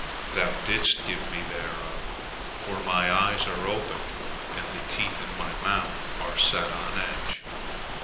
Thou didst give me thereof, for my eyes are opened, and the teeth in my mouth are set on edge."